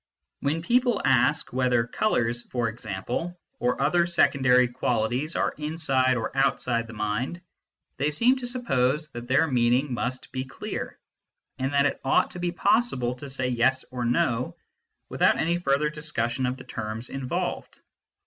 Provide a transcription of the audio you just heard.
When people ask whether colours, for example, or other secondary qualities are inside or outside the mind, they seem to suppose that their meaning must be clear, and that it ought to be possible to say yes or no without any further discussion of the terms involved.